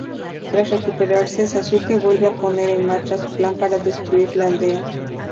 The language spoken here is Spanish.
Tras recuperarse, Sasuke vuelve a poner en marcha su plan para destruir la aldea.